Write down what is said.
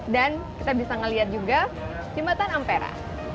dan kita bisa melihat juga jembatan ampera